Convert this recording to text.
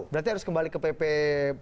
berarti harus kembali ke pp yang lama